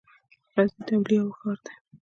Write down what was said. غزنی د اولیاوو ښار دی.